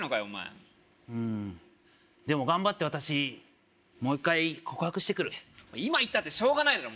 お前うんでも頑張って私もう一回告白してくる今行ったってしょうがない